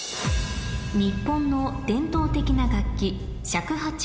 日本の伝統的な楽器ホホホ！